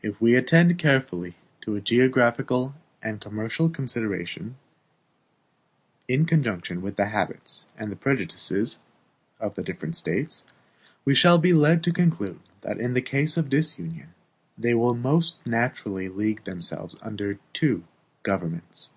If we attend carefully to geographical and commercial considerations, in conjunction with the habits and prejudices of the different States, we shall be led to conclude that in case of disunion they will most naturally league themselves under two governments.